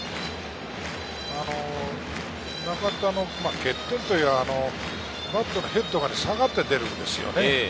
中田の欠点というか、バットのヘッドが下がって出るんですよ。